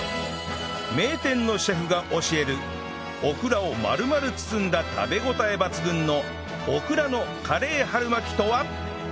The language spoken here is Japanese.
名店のシェフが教えるオクラを丸々包んだ食べ応え抜群のオクラのカレー春巻きとは？